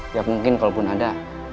ya mungkin kalau pun ada